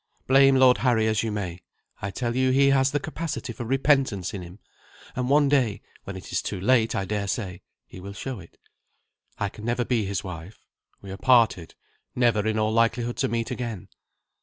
Blame Lord Harry as you may, I tell you he has the capacity for repentance in him, and one day when it is too late, I dare say he will show it. I can never be his wife. We are parted, never in all likelihood to meet again.